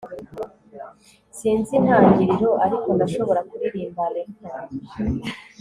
sinzi intangiriro, ariko ndashobora kuririmba refrain